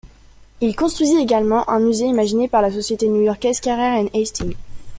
Il construisit également un musée, imaginé par la société new-yorkaise Carrère and Hastings.